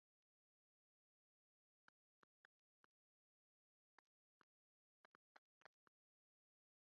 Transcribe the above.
Buccaneer teams include baseball, basketball, cross country, golf, and soccer.